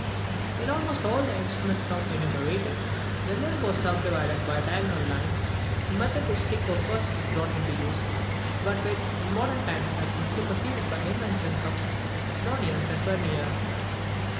In almost all the instruments now enumerated, the limb was subdivided by diagonal lines, a method which Tycho first brought into use, but which, in modern times, has been superseded by the inventions of Nonius and Vernier.